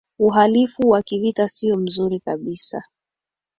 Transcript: uhalifu wa kivita siyo mzuri kabisa